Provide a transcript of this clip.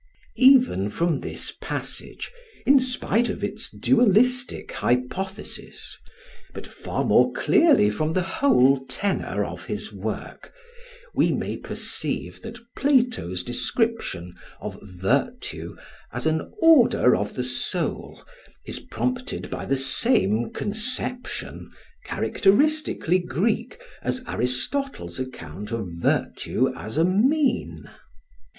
] Even from this passage, in spite of its dualistic hypothesis, but far more clearly from the whole tenor of his work, we may perceive that Plato's description of virtue as an "order" of the soul is prompted by the same conception, characteristically Greek, as Aristotle's account of virtue as a "mean."